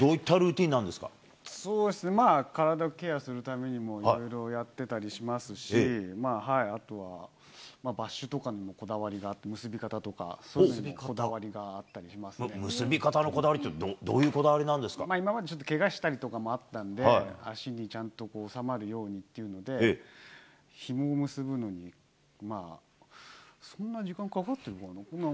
そうですね、まあ、体をケアするためにもいろいろやってたりしますし、あとはバッシュとかにもこだわりがあって、結び方とかにこだわり結び方のこだわりって、今までちょっとけがしたりとかもあったんで、足、ちゃんとこう、収まるようにっていうので、ひもを結ぶのにまあ、そんな時間かかってるかな？